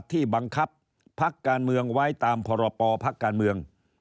ที่บังคับพักการเมืองไว้ตามพรปภักดิ์การเมือง